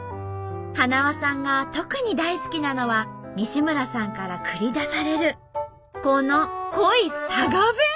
はなわさんが特に大好きなのは西村さんから繰り出されるこの濃い佐賀弁！